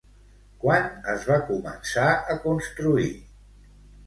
Quan es va començar a construir?